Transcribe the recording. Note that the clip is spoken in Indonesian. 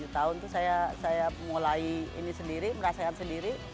tujuh tahun itu saya mulai ini sendiri merasakan sendiri